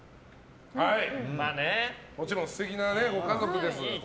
もちろん素敵なご家族です。